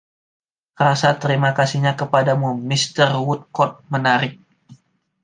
Rasa terima kasihnya kepadamu, Mr. Woodcourt, menarik.